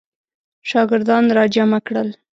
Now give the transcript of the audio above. شاګردان را جمع کړل.